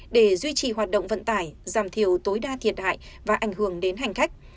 để duy trì hoạt động vận tải giảm thiểu tối đa thiệt hại và ảnh hưởng đến hành khách